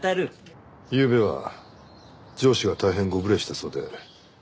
ゆうべは上司が大変ご無礼したそうで。